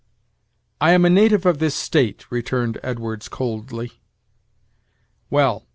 "I am a native of this State," returned Edwards, coldly. "Well.